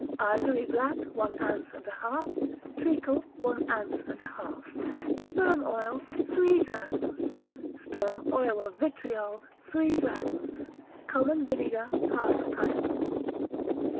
Ivory black, one ounce and a half; treacle, one ounce and a half; sperm oil, three drachms; strong oil of vitriol, three drachms; common vinegar, half a pint.